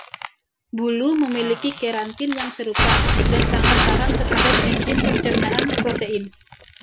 Bulu memiliki keratin yang serupa dan sangat tahan terhadap enzim pencernaan protein.